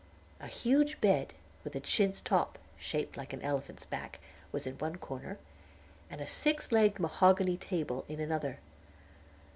A huge bed, with a chintz top shaped like an elephant's back, was in one corner, and a six legged mahogany table in another.